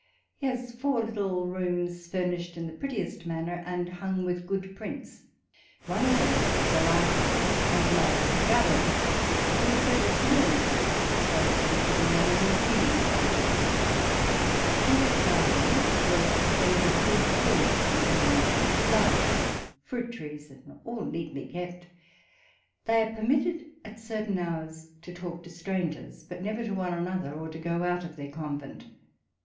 He has four little rooms, furnished in the prettiest manner, and hung with good prints. One of them is a library, and another a gallery. He has several canary birds disposed in a pretty manner in breeding cages. In his garden was a bed of good tulips in bloom, flowers and fruit trees, and all neatly kept. They are permitted at certain hours to talk to strangers, but never to one another, or to go out of their convent.